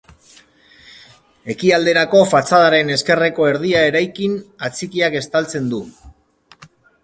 Ekialderako fatxadaren ezkerreko erdia eraikin atxikiak estaltzen du.